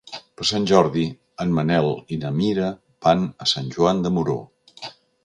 Per Sant Jordi en Manel i na Mira van a Sant Joan de Moró.